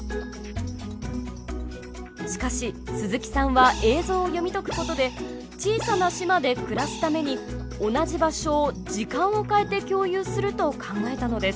しかし鈴木さんは映像を読み解くことで小さな島で暮らすために同じ場所を時間を変えて共有すると考えたのです。